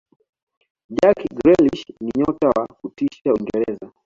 jack grielish ni nyota wa kutisha uingereza